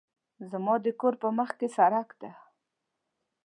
زما د کور په مخکې سړک ده